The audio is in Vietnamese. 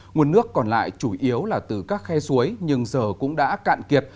nguồn nước còn lại chủ yếu là từ các khe suối nhưng giờ cũng đã cạn kiệt